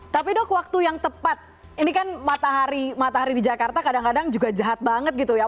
tapi dok waktu yang tepat ini kan matahari di jakarta kadang kadang juga jahat banget gitu ya